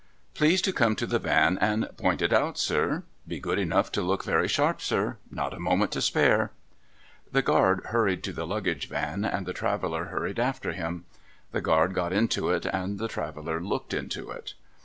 ' Please to come to the van and point it out, sir. Be good enough to look very sharp, sir. Not a moment to spare.' The guard hurried to the luggage van, and the traveller hurried after him. The guard got into it, and the traveller looked into it.